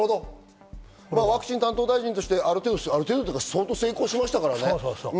ワクチン担当大臣として相当成功しましたからね。